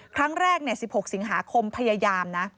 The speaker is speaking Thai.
ครั้งแรก๑๖สิงหาคมพยายามนะ